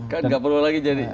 kan nggak perlu lagi jadi